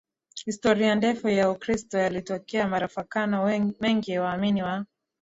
historia ndefu ya Ukristo yalitokea mafarakano mengi waamini wa